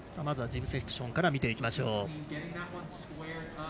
まずはジブセクションから見ていきましょう。